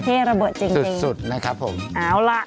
เท่ระเบิดจริงสุดนะครับผมเอาละ